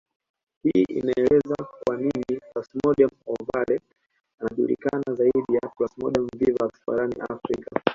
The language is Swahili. Hii inaeleza kwa nini Plasmodium ovale anajulikana zaidi ya Plasmodium vivax barani Afrika